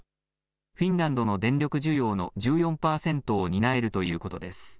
フィンランドの電力需要の１４％を担えるということです。